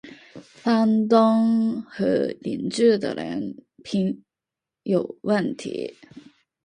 房东和邻居的人品有问题